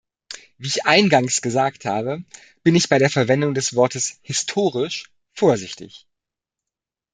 Wie ich eingangs gesagt habe, bin ich bei der Verwendung des Wortes "historisch" vorsichtig.